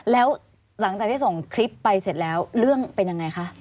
แล้วหลังจากที่ส่งคลิปไปเสร็จแล้วเรื่องเป็นยังไงคะ